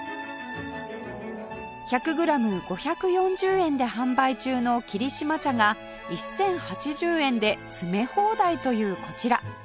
１００グラム５４０円で販売中の霧島茶が１０８０円で詰め放題というこちら